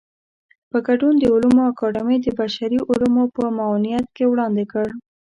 په ګډون د علومو اکاډمۍ د بشري علومو په معاونيت کې وړاندې کړ.